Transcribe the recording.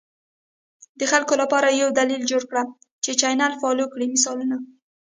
د خلکو لپاره یو دلیل جوړ کړه چې چینل فالو کړي، مثالونه: